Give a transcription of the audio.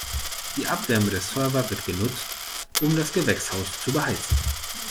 Die Abwärme der Server wird genutzt, um das Gewächshaus zu beheizen.